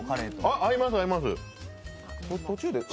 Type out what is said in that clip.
合います、合います。